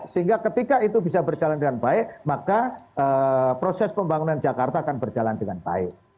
sehingga ketika itu bisa berjalan dengan baik maka proses pembangunan jakarta akan berjalan dengan baik